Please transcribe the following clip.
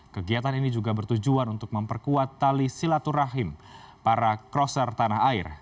kegiatan ini juga bertujuan untuk memperkuat tali silaturahim para crosser tanah air